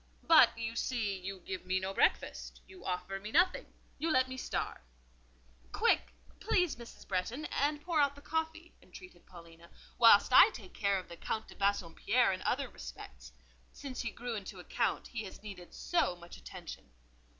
But, you see, you give me no breakfast; you offer me nothing: you let me starve." "Quick! please, Mrs. Bretton, and pour out the coffee," entreated Paulina, "whilst I take care of the Count de Bassompierre in other respects: since he grew into a Count, he has needed so much attention."